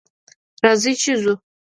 راځه چې ځو